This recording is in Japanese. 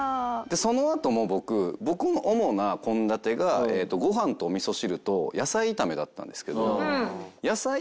そのあとも僕僕の主な献立がご飯とお味噌汁と野菜炒めだったんですけど。